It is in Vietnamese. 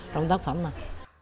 trong tác phẩm này